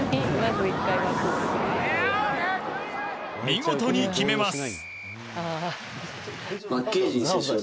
見事に決めます。